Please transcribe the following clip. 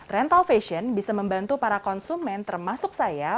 rental fashion bisa membantu para konsumen termasuk saya